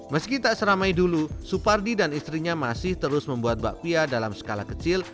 meski tak seramai dulu supardi dan istrinya masih terus membuat bakpia dalam skala kecil